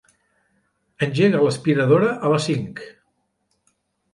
Engega l'aspiradora a les cinc.